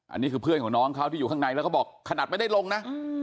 อันนี้คือเพื่อนของน้องเขาที่อยู่ข้างในแล้วก็บอกขนาดไม่ได้ลงนะ